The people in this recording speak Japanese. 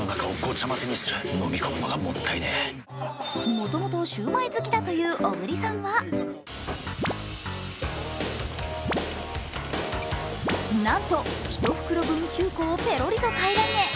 もともとシュウマイ好きだという小栗さんはなんと、１袋分９個をペロリと平らげ